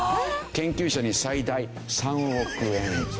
研究者に最大３億円。